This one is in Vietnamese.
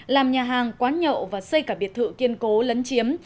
làm nhà hàng quán nhậu và xây cả biệt thự kiên cố lấn chiếm